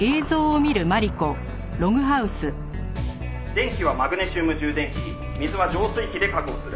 「電気はマグネシウム充電器で水は浄水器で確保する」